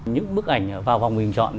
những bức ảnh vào vòng bình chọn